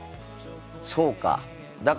そうか。